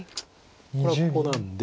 これはここなんで。